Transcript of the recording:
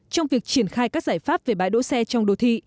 trong việc triển khai các giải pháp về bãi đỗ xe trong đô thị